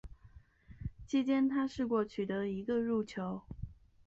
其间他试过取得一个入球。